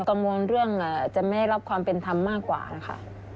กังวลเรื่องจะไม่ได้รับความเป็นธรรมมากกว่านะคะ